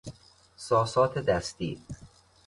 ساسات دستی